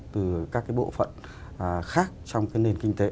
từ các cái bộ phận khác trong cái nền kinh tế